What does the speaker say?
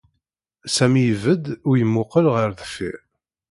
Sami ibedd u yemmuqqel ɣer deffir.